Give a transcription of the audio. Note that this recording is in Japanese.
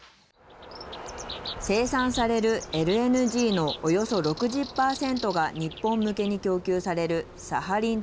生産されるＬＮＧのおよそ６０％が日本向けに供給されるサハリン２。